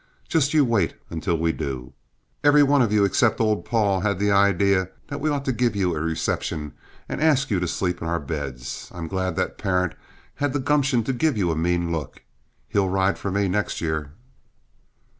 "Just you wait until we do. Every one of you except old Paul had the idea that we ought to give you a reception and ask you to sleep in our beds. I'm glad that Parent had the gumption to give you a mean look; he'll ride for me next year."